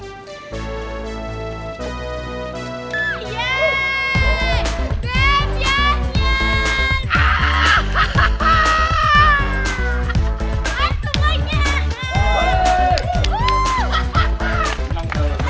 game yang nyar